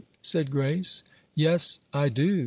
said Grace. "Yes, I do.